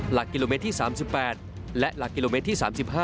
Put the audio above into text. หลักกิโลเมตรที่๓๘และหลักกิโลเมตรที่๓๕